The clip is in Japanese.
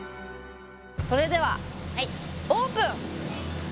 それではオープン！